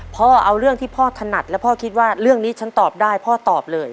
เอาเรื่องที่พ่อถนัดและพ่อคิดว่าเรื่องนี้ฉันตอบได้พ่อตอบเลย